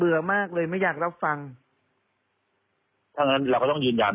เพราะว่าตอนแรกมีการพูดถึงนิติกรคือฝ่ายกฎหมาย